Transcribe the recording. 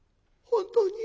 本当に！？